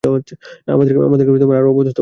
আমাকে আরোও অপদস্ত করতে চাচ্ছো?